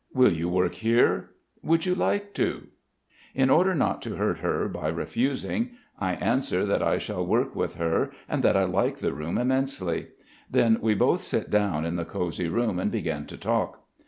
Will you work here? Would you like to?" In order not to hurt her by refusing, I answer that I shall work with her and that I like the room immensely. Then we both sit down in the cosy room and begin to talk.